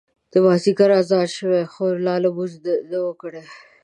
د مازیګر اذان شوی و خو لا مو لمونځ نه و کړی.